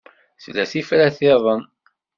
Tella tifrat-iḍen.